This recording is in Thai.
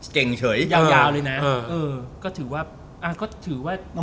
เก่งเฉยยาวเลยนะ